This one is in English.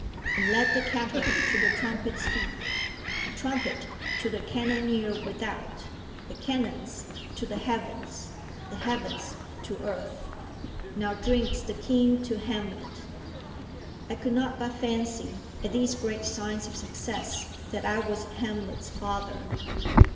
"And let the kettle to the trumpet speak, The trumpet to the cannoneer without, The cannons to the heavens, the heavens to earth. Now drinks the king to Hamlet." I could not but fancy, at these great signs of success, that I was Hamlet's father.